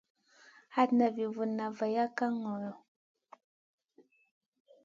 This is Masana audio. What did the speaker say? Hatna vi vunna vaya ŋaa ŋolo.